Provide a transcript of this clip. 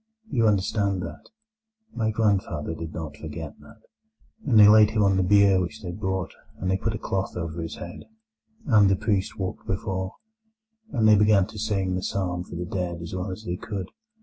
You understand that? My grandfather did not forget that. And they laid him on the bier which they brought, and they put a cloth over his head, and the priest walked before; and they began to sing the psalm for the dead as well as they could.